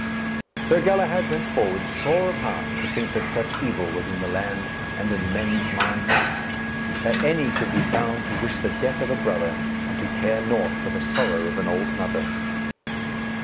Sir Galahad went forward, sore of heart to think that such evil was in the land and in men's minds, that any could be found to wish the death of a brother and to care naught for the sorrow of an old mother.